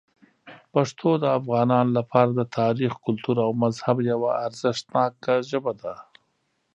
پښتو د افغانانو لپاره د تاریخ، کلتور او مذهب یوه ارزښتناک ژبه ده.